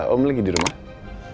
om lagi dirumah